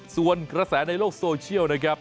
ส่วนกระแสในโลกโซเชียลนะครับ